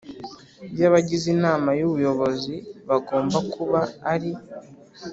by abagize Inama y Ubuyobozi bagomba kuba ari